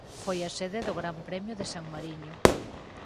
Foi a sede do Gran Premio de San Mariño.